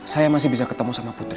saya masih bisa ketemu sama putri